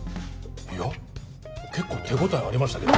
いや結構手応えありましたけど。